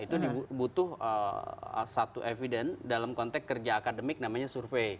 itu butuh satu evidence dalam konteks kerja akademik namanya survei